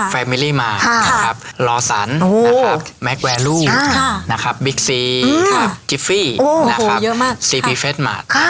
แฟมิลี่มาร์ลอสันแมคแวรูบิ๊กซีจิฟฟี่ซีพีเฟสมาร์ต